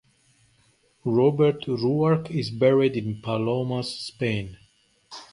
Robert Ruark is buried in Palamos, Spain.